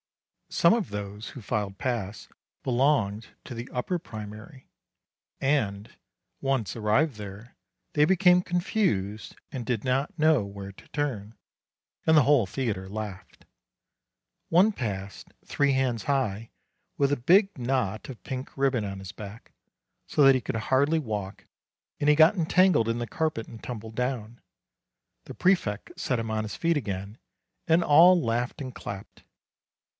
Some of those who filed past belonged to the upper primary, and, once arrived there, they became confused and did not know where to turn, and the whole theatre laughed. One passed, three hands high, with a big knot of pink ribbon on his back, so that he could hardly walk, and he got entangled in the carpet and tumbled down ; the prefect set him on his feet again, and all laughed and clapped.